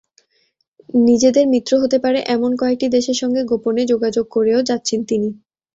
নিজেদের মিত্র হতে পারে—এমন কয়েকটি দেশের সঙ্গে গোপনে যোগাযোগও করে যাচ্ছেন তিনি।